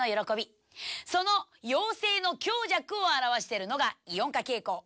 その陽性の強弱を表してるのがイオン化傾向。